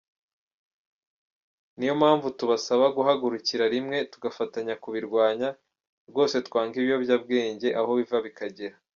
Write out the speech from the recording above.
Niyo mpamvu tubasaba guhagurukira rimwe tugafatanya kubirwanya, rwose twange ibiyobyabwenge aho biva bikagera”.